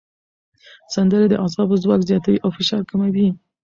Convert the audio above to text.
سندرې د اعصابو ځواک زیاتوي او فشار کموي.